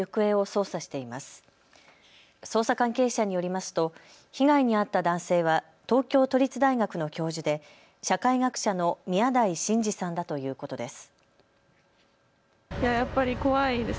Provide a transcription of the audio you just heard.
捜査関係者によりますと被害に遭った男性は東京都立大学の教授で社会学者の宮台真司さんだということです。